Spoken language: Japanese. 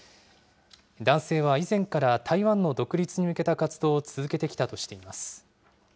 男性は以前から台湾の独立に向けた活動を続けてきたとしています。